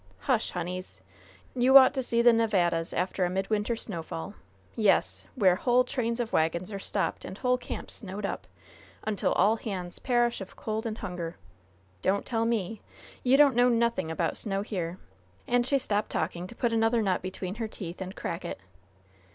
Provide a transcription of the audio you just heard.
Hush, honeys! You ought to see the Nevadas after a midwinter snowfall! Yes! where whole trains of wagons are stopped and whole camps snowed up, until all hands perish of cold and hunger. Don't tell me! You don't know nothin' about snow here." And she stopped talking to put another nut between her teeth and crack it.